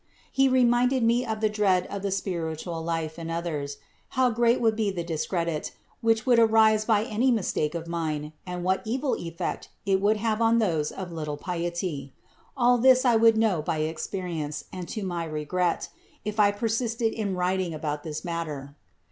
He reminded me of the dread of the spiritual life in others; how great would be the discredit, which would arise by any mistake of mine and what evil effect it would have on those of little piety; all this I would know by experience and to my regret, if I persisted in writing about this matter.